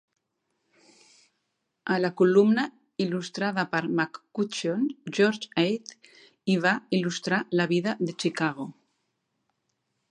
A la columna, il·lustrada per McCutcheon, George Ade hi va il·lustrar la vida de Chicago.